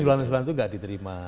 usulan usulan itu tidak diterima